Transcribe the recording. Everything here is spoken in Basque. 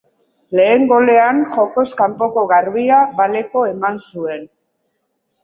Lehen golean jokoz kanpoko garbia baleko eman zuen.